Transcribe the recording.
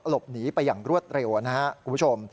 หลบหนีไปอย่างรวดเร็วนะครับคุณผู้ชม